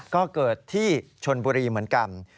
ก็เกิดที่ชนบุรีเหมือนกัน